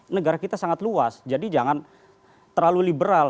negara kita sangat luas jadi jangan terlalu liberal